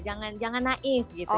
jangan naif gitu